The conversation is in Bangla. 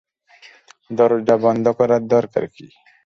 দরজা বন্ধ করার দরকার কী?